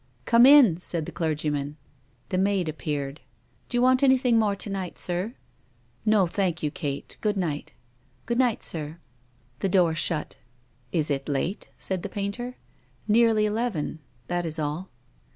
" Come in," said the clergyman. The maid appeared. " Do you want anything more to night, sir? "" No, thank you, Kate. Good night." " Good night, sir." 40 TONGUES OF CONSCIENCE. The door shut. " Is it late ?" said the painter. " Nearly eleven. That is all."